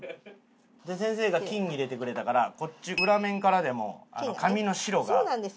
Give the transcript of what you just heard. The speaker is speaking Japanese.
先生が金入れてくれてくれたからこっち裏面からでも紙の白が逆に金。